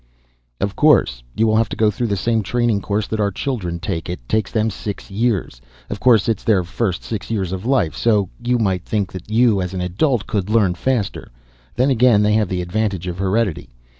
"Of course. You will have to go through the same training course that our children take. It takes them six years. Of course it's their first six years of life. So you might think that you, as an adult, could learn faster. Then again they have the advantage of heredity.